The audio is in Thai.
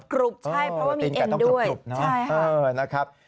กรุบใช่เพราะว่ามีเอนด้วย